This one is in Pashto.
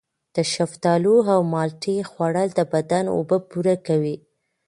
د شفتالو او مالټې خوړل د بدن اوبه پوره کوي.